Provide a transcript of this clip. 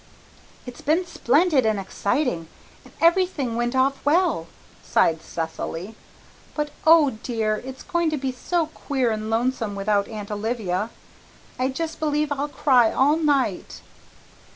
"It's been splendid and exciting, and everything went off well," sighed Cecily, "but, oh dear, it's going to be so queer and lonesome without Aunt Olivia. I just believe I'll cry all night."